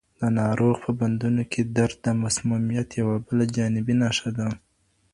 د ناروغ په بندونو کې درد د مسمومیت یوه بله جانبي نښه ده.